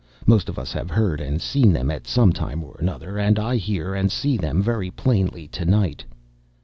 Most of us have heard and seen them at some time or other, and I hear and see them very plainly to night.